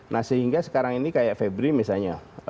nah sehingga sekarang ini kayak febri misalnya